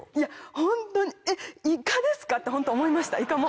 ホントに「えっいかですか？」ってホント思いましたいかも。